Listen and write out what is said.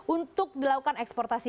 untuk dilakukan eksportasi